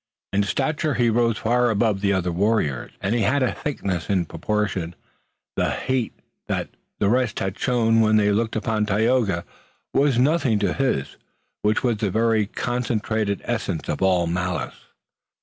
In stature he rose far above the other warriors, and he had a thickness in proportion. The hate that the rest had shown when they looked upon Tayoga was nothing to his, which was the very concentrated essence of all malice.